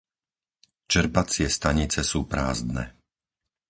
Čerpacie stanice sú prázdne.